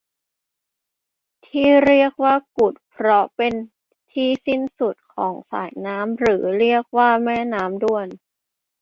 ที่เรียกว่ากุดเพราะเป็นที่สิ้นสุดของสายน้ำหรือเรียกว่าแม่น้ำด้วน